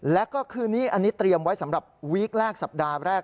แล้วก็คืนนี้อันนี้เตรียมไว้สำหรับวีคแรกสัปดาห์แรก